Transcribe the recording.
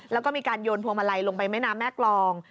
แล้วก็มีการโยนพวงมาลัยลงไปแม่น้ำแม่กรอง